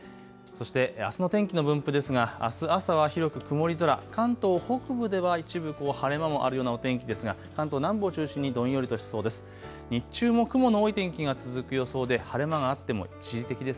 そしてあすの天気の分布ですがあす朝は広く曇り空、関東北部では一部晴れ間もあるようなお天気ですが関東南部を中心にどんよりとしそうです。